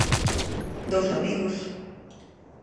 Dous amigos.